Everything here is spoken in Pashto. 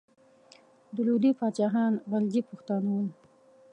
د لودي پاچاهان غلجي پښتانه ول.